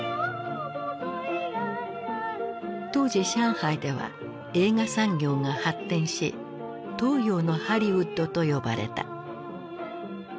当時上海では映画産業が発展し「東洋のハリウッド」と呼ばれた。